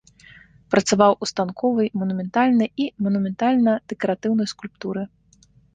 Працаваў у станковай, манументальнай і манументальна-дэкаратыўнай скульптуры.